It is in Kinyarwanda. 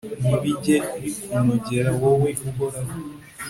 nibijye bikunogera wowe uhoraho